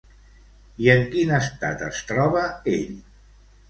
I en quin estat es troba ell?